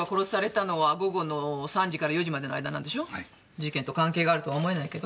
事件と関係があるとは思えないけど。